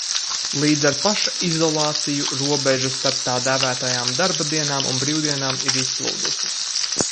Līdz ar pašizolāciju robeža starp tā dēvētajām darba dienām un brīvdienām ir izplūdusi.